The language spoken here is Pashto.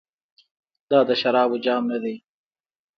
دا د شرابو جام ندی.